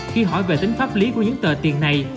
khi hỏi về tính pháp lý của những tờ tiền này